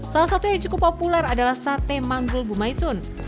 salah satu yang cukup populer adalah sate manggul bumaitsun